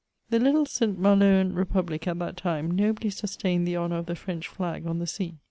The little Saint Maloan repubUc at that time nobly sus tained the honour of the French flag on the sea.